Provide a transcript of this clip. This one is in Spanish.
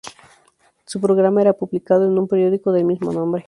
Su programa era publicado en un periódico del mismo nombre.